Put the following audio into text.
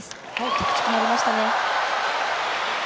着地、決まりましたね。